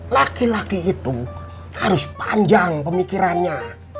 laki laki itu harus panjang pemikirannya